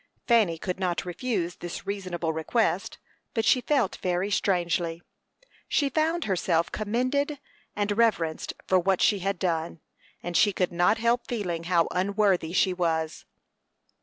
Fanny could not refuse this reasonable request, but she felt very strangely. She found herself commended and reverenced for what she had done, and she could not help feeling how unworthy she was.